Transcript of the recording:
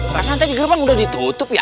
pas rikiti emang udah ditutup ya